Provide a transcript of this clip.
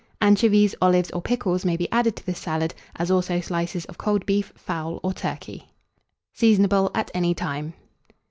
Anchovies, olives, or pickles may be added to this salad, as also slices of cold beef, fowl, or turkey. Seasonable at any time.